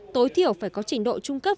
tối thiểu phải có trình độ trung cấp